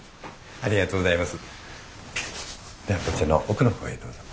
ありがとうございます。